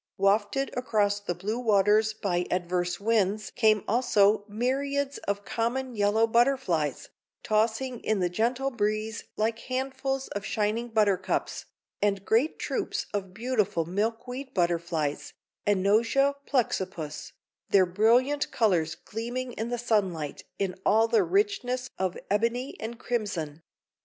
Wafted across the blue waters by adverse winds came also myriads of common yellow butterflies, tossing in the gentle breeze like handfuls of shining buttercups, and great troops of beautiful milkweed butterflies (Anosia plexippus), their brilliant colors gleaming in the sunlight in all the richness of ebony and crimson.